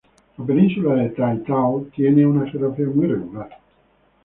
La península de Taitao tiene una geografía muy irregular.